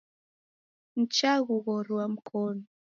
Nichaghughorua mkono.